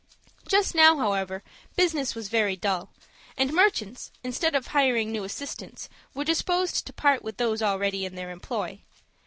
Just now, however, business was very dull, and merchants, instead of hiring new assistants, were disposed to part with those already in their employ.